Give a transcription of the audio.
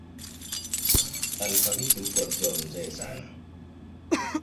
Alifariki huko akiwa mzee sana.